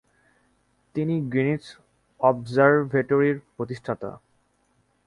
তিনি গ্রিনিচ অবজারভেটরির প্রতিষ্ঠাতা।